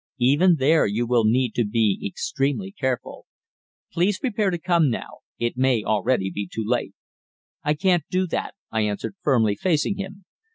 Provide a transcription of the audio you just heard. Even there you will need to be extremely careful. Please prepare to come now. It may already be too late." "I can't do that," I answered firmly, facing him.